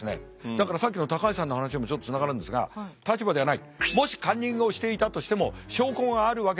だからさっきの高橋さんの話にもちょっとつながるんですが立場じゃない。